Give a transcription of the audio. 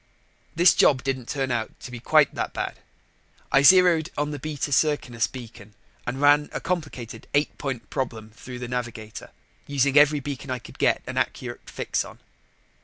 This job didn't turn out to be quite that bad. I zeroed on the Beta Circinus beacon and ran a complicated eight point problem through the navigator, using every beacon I could get an accurate fix on.